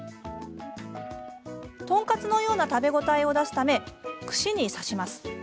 トンカツのような食べ応えを出すため串に刺します。